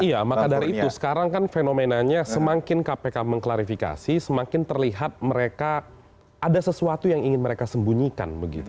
iya maka dari itu sekarang kan fenomenanya semakin kpk mengklarifikasi semakin terlihat mereka ada sesuatu yang ingin mereka sembunyikan begitu